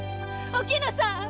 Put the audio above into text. お絹さん！